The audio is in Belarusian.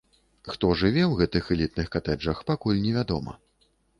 Хто жыве ў гэтых элітных катэджах, пакуль невядома.